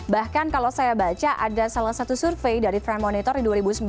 bahkan kalau saya baca ada salah satu survei dari trend monitor di dua ribu sembilan belas